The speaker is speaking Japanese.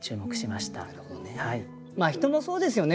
人もそうですよね。